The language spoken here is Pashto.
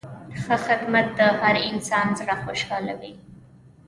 ښه خدمت د هر انسان زړه خوشحالوي.